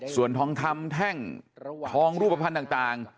ส่วนทองคำแท่งทองรูปภัณฑ์ต่าง